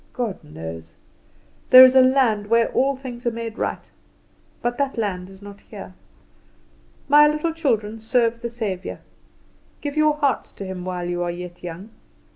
God knows. There is a land where all things are made right, but that land is not here. "My little children, serve the Saviour; give your hearts to Him while you are yet young.